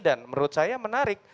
dan menurut saya menarik